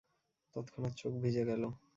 তৎক্ষণাৎ চোখ ভিজে গেল।